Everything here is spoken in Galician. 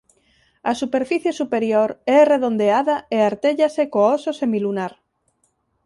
A superficie superior é redondeada e artéllase co óso semilunar.